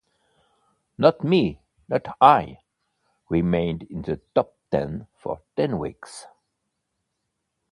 "Not Me, Not I" remained in the top ten for ten weeks.